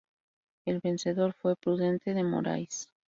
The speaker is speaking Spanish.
El vencedor fue Prudente de Morais.